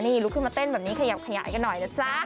นี่ลุกขึ้นมาเต้นแบบนี้ขยับขยายกันหน่อยนะจ๊ะ